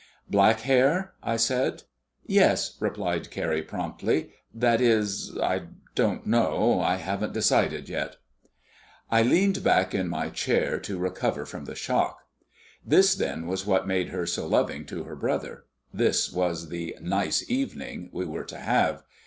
"Black hair?" I said. "Yes," replied Carrie promptly. "That is I don't know. I haven't decided yet." I leaned back in my chair to recover from the shock. This, then, was what made her so loving to her brother. This was the "nice evening" we were to have.